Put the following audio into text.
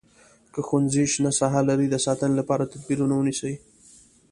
که ښوونځی شنه ساحه لري د ساتنې لپاره تدبیرونه ونیسئ.